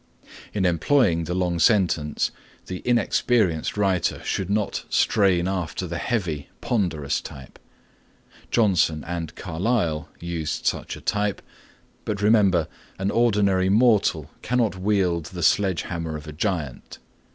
In employing the long sentence the inexperienced writer should not strain after the heavy, ponderous type. Johnson and Carlyle used such a type, but remember, an ordinary mortal cannot wield the sledge hammer of a giant.